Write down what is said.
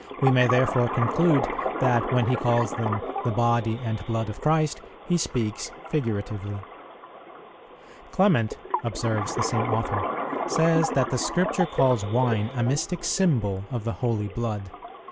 . We may therefore conclude that, when he calls them the Body and Blood of Christ, he speaks figuratively." "Clement," observes the same author, "says that the Scripture calls wine a mystic symbol of the holy blood.